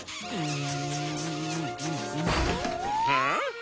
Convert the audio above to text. ん。